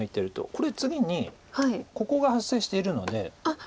これ次にここが発生しているので。